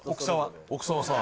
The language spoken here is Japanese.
奥沢さん。